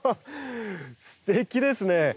すてきですね。